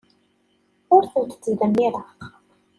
Ur tent-ttdemmireɣ.